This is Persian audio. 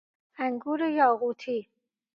انگور یاقوتی